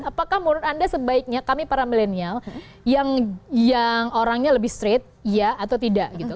apakah menurut anda sebaiknya kami para milenial yang orangnya lebih straight iya atau tidak gitu